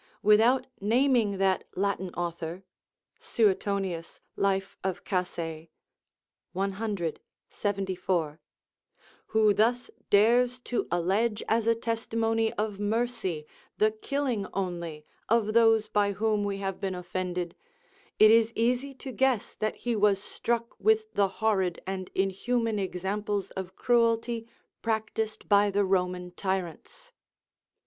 Without naming that Latin author, [Suetonius, Life of Casay, c. 74.] who thus dares to allege as a testimony of mercy the killing only of those by whom we have been offended; it is easy to guess that he was struck with the horrid and inhuman examples of cruelty practised by the Roman tyrants.